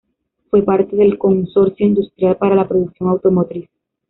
Fue parte del Consorcio Industrial para la Producción Automotriz.